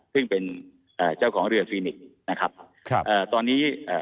ซึ่งเป็นอ่าเจ้าของเรือฟรีนิกนะครับครับเอ่อตอนนี้เอ่อ